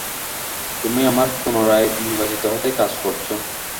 তুমি আমার পূণরায় নির্বাচিত হতে কাজ করছো।